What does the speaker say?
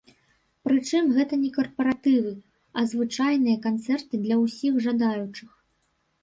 Прычым гэта не карпаратывы, а звычайныя канцэрты для ўсіх жадаючых.